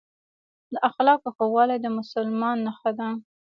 د اخلاقو ښه والي د مسلمان نښه ده.